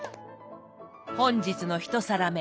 本日の１皿目。